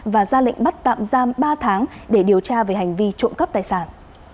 và ra lệnh bắt tạm giam ba tháng để điều tra về hành vi trộm cắp tài sản